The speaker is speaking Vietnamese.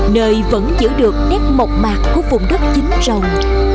nơi vẫn giữ được nét mộc mạc của vùng đất chính rồng